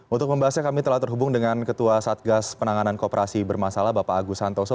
untuk membahasnya kami telah terhubung dengan ketua satgas penanganan kooperasi bermasalah bapak agus santoso